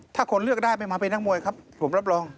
ถ้าคนเลือกได้ไม่มาเป็นนักมวยครับผมรับรอง